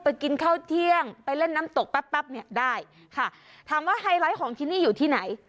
กินข้าวเที่ยงไปเล่นน้ำตกแป๊บแป๊บเนี่ยได้ค่ะถามว่าไฮไลท์ของที่นี่อยู่ที่ไหน